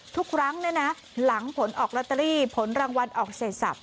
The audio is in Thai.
ทุกครั้งหลังผลออกลอตเตอรี่ผลรางวัลออกเสร็จสับ